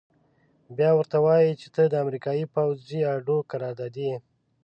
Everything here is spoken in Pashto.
بيا ورته وايي چې ته د امريکايي پوځي اډو قراردادي يې.